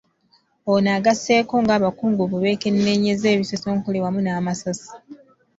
Ono agasseeko ng’abakungu bwe beekenneenyezza ebisosonkole wamu n’amasasi.